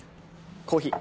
コーヒー。